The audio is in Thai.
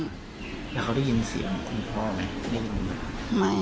แล้วเขาได้ยินเสียงคุณพ่อไหมได้ยินไหม